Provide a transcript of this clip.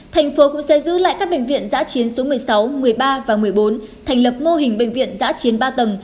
thành phố cũng sẽ giữ lại các bệnh viện giã chiến số một mươi sáu một mươi ba và một mươi bốn thành lập mô hình bệnh viện giã chiến ba tầng